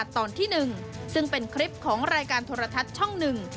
ตอนที่๑ซึ่งเป็นคลิปของรายการโทรทัศน์ช่องหนึ่ง